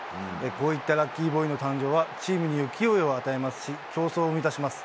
こういったラッキーボーイの誕生は、チームに勢いを与えますし、競争を生み出します。